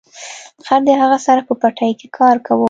خر د هغه سره په پټي کې کار کاوه.